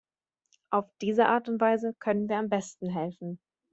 Auf diese Art und Weise können wir am besten helfen.